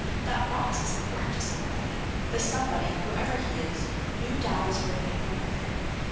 That box is important to somebody. The somebody, whoever he is, knew Dad was bringing it home with him.